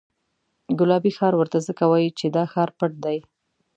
ګلابي ښار ورته ځکه وایي چې دا ښار پټ دی.